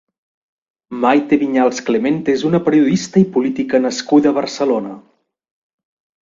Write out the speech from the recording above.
Maite Viñals Clemente és una periodista i política nascuda a Barcelona.